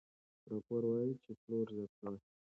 راپور وايي چې پلور زیات شو.